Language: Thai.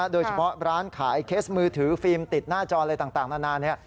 โดยเฉพาะร้านขายเคสมือถือฟิล์มติดหน้าจออะไรต่างนานา